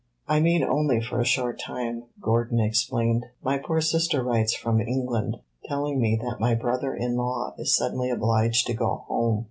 "I mean only for a short time," Gordon explained. "My poor sister writes from England, telling me that my brother in law is suddenly obliged to go home.